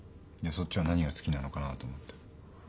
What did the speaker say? そっちは何が好きなのかなと思って。